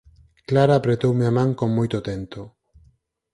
Clara apretoume a man con moito tento.